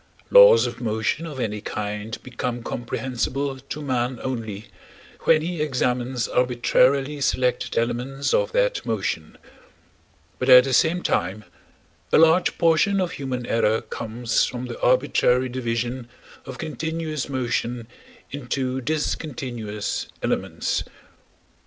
Laws of motion of any kind become comprehensible to man only when he examines arbitrarily selected elements of that motion; but at the same time, a large proportion of human error comes from the arbitrary division of continuous motion into discontinuous elements.